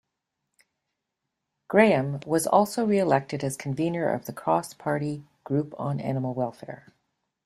Grahame was also re-elected as Convener of the Cross Party Group on Animal Welfare.